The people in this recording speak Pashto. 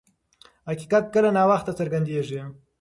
حقیقت کله ناوخته څرګندیږي.